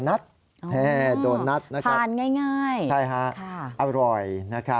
โดนะตนะครับโดนะตนะครับใช่ครับอร่อยทานง่ายค่ะ